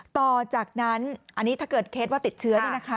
ต่อจากนั้นอันนี้ถ้าเกิดเคสว่าติดเชื้อ